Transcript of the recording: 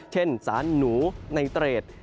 เช่นสารหนูไนเตรด